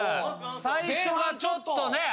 最初がちょっとねはい。